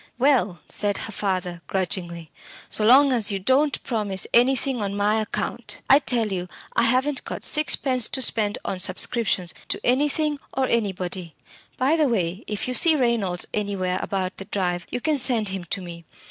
"Well" said her father, grudgingly, "so long as you don't promise anything on my account! I tell you, I haven't got sixpence to spend on subscriptions to anything or anybody. By the way, if you see Reynolds anywhere about the drive, you can send him to me.